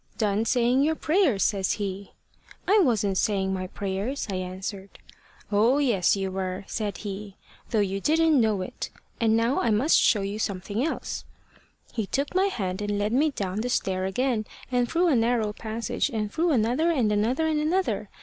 `Done saying your prayers,' says he. 'I wasn't saying my prayers,' I answered. `Oh, yes, you were,' said he, `though you didn't know it! And now I must show you something else.' "He took my hand and led me down the stair again, and through a narrow passage, and through another, and another, and another.